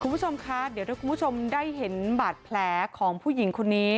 คุณผู้ชมคะเดี๋ยวถ้าคุณผู้ชมได้เห็นบาดแผลของผู้หญิงคนนี้